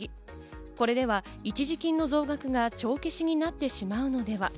これでは一時期の増額が帳消しになってしまうのでは？